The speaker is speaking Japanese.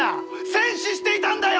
戦死していたんだよ